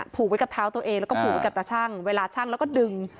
ผูกไว้กับเท้าตัวเองแล้วก็ผูกไว้กับตาชั่งเวลาชั่งแล้วก็ดึง